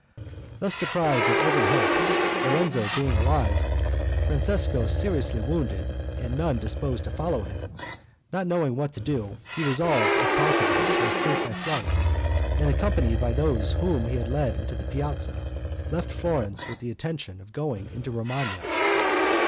Thus deprived of every hope, Lorenzo being alive, Francesco seriously wounded, and none disposed to follow him, not knowing what to do, he resolved, if possible, to escape by flight; and, accompanied by those whom he had led into the piazza, left Florence with the intention of going into Romagna.